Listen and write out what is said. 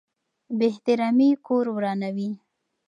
بې احترامي کور ورانوي.